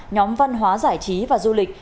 nhóm văn hóa giải trí và du lịch